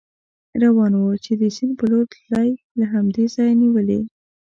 روان و، چې د سیند په لور تلی، له همدې ځایه نېولې.